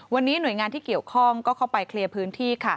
วันนี้หน่วยงานที่เกี่ยวข้องก็เข้าไปเคลียร์พื้นที่